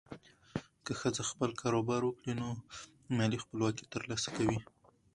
که ښځه خپل کاروبار وکړي، نو مالي خپلواکي ترلاسه کوي.